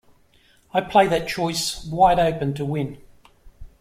I play that choice wide open to win.